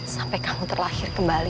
sampai kamu terlahir kembali